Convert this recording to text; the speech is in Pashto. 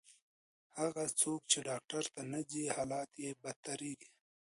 هغه څوک چې ډاکټر ته نه ځي، حالت یې بدتریږي.